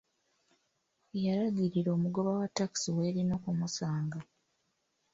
Yalagirira omugoba wa takisi welina okumusanga.